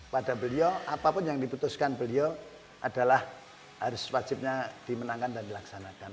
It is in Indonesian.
pada beliau apapun yang diputuskan beliau adalah harus wajibnya dimenangkan dan dilaksanakan